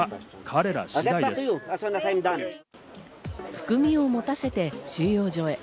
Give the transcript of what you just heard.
含みを持たせて収容所へ。